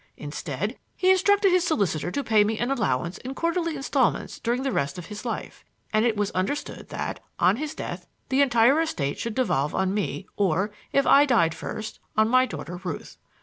Instead, he instructed his solicitor to pay me an allowance in quarterly instalments during the rest of his life; and it was understood that, on his death, the entire estate should devolve on me, or if I died first, on my daughter, Ruth.